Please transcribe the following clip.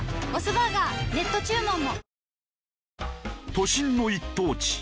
都心の一等地